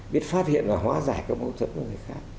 biết phát hiện và hóa giải các mẫu thuật với người khác